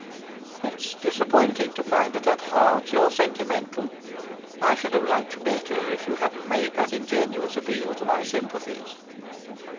"It's disappointing to find that at heart you are sentimental. I should have liked you better if you hadn't made that ingenuous appeal to my sympathies."